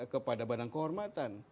kepada badan kehormatan